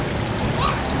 おい！